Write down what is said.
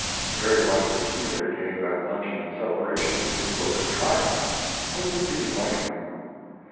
Very likely Keeler gave that luncheon in celebration of his book's triumph; it would be like him.